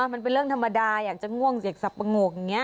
มันเป็นเรื่องธรรมดาอยากจะง่วงเสียกสับปะโงกอย่างนี้